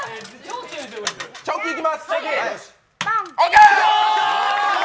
チョキいきます。